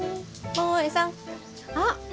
あっ。